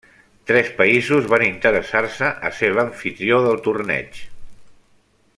Tres països van interessar-se a ser l'amfitrió del torneig.